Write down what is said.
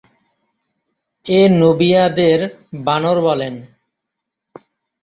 এ Nubia দের "বানর" বলেন।